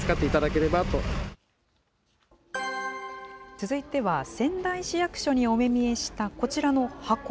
続いては仙台市役所にお目見えした、こちらの箱。